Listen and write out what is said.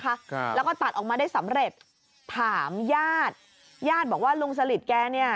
ครับแล้วก็ตัดออกมาได้สำเร็จถามญาติญาติบอกว่าลุงสลิดแกเนี่ย